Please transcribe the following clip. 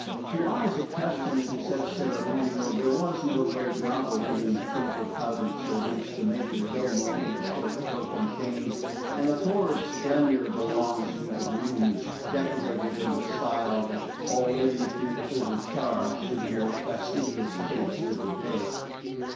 To eyes accustomed to such ceremonial there was no great novelty in the troop of powdered servants, the major domo in his short cloak and chain, and the florid splendour of the long suite of rooms, decorated in a style that already appeared over charged to the more fastidious taste of the day.